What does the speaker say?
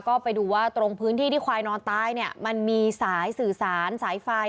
ก็ไปดูว่าตรงพื้นที่ที่ควายนอนตายเนี่ยมันมีสายสื่อสารสายไฟ